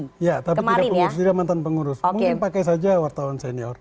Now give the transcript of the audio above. iya tapi tidak pengurus mungkin pakai saja wartawan senior